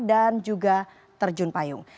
dan juga terjun payung